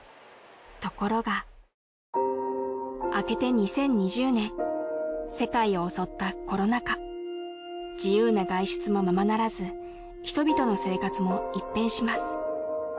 ところが明けて２０２０年世界を襲ったコロナ禍自由な外出もままならず人々の生活も一変します